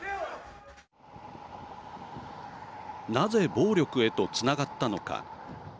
なぜ暴力へとつながったのか。